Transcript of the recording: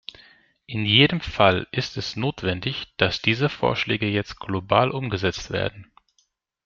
In jedem Fall ist es notwendig, dass diese Vorschläge jetzt global umgesetzt werden.